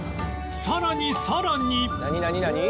さらにさらに